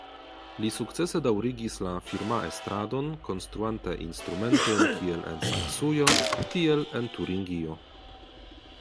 Li sukcese daŭrigis la firmaestradon konstruante instrumentojn kiel en Saksujo tiel en Turingio.